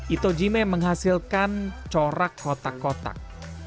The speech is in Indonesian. itojime menghasilkan corak kotak kotak